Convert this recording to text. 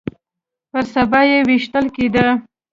پر سبا يې ويشتل کېده.